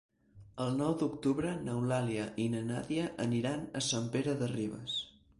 El nou d'octubre n'Eulàlia i na Nàdia aniran a Sant Pere de Ribes.